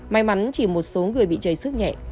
may mắn chỉ một số người bị chảy sức nhẹ